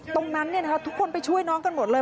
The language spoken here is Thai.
ตรงนั้นทุกคนไปช่วยน้องกันหมดเลย